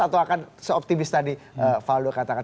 atau akan se optimis tadi pak aldo katakan